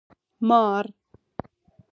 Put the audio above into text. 🪱 مار